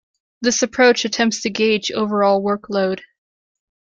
This approach attempts to gauge overall workload.